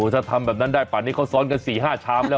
ถ้าทำแบบนั้นได้ป่านนี้เขาซ้อนกัน๔๕ชามแล้ว